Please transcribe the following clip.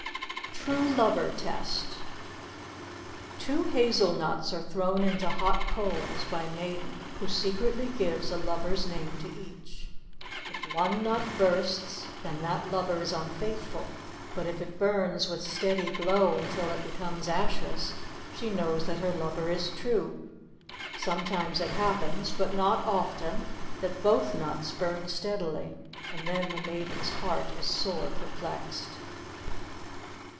TRUE LOVER TEST Two hazel nuts are thrown into hot coals by maiden, who secretly gives a lover's name to each. If one nut bursts, then that lover is unfaithful; but if it burns with steady glow until it becomes ashes, she knows that her lover is true. Sometimes it happens, but not often, that both nuts burn steadily, and then the maiden's heart is sore perplexed.